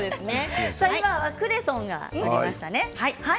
今、クレソンが入りましたね。